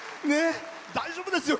大丈夫ですよ